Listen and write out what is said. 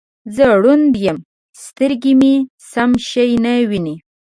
زه ړوند یم سترګې مې سم شی نه وینې